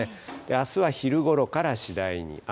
あすは昼ごろから次第に雨。